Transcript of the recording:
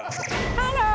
ハロー！